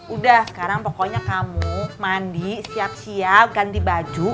udah sekarang pokoknya kamu mandi siap siap ganti baju